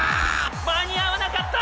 間に合わなかった！